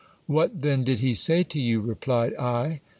What then did he say to you ? replied I.